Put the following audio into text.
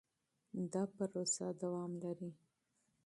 دا پروسه دوام لري.